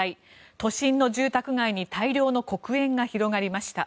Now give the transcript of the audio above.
都心の住宅街に大量の黒煙が広がりました。